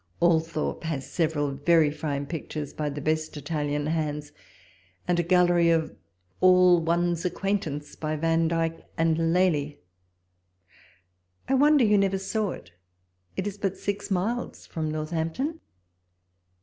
Althorpe has several verj' fine pictures by the best Italian hands, and a gallery of all one's acquaintance by Vandyke and Lely. I wonder you never saw it ; it is but six miles from Northampton.